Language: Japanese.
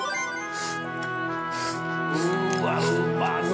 うわうまそう。